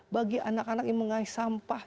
bagi anak anak yang mengalir sampah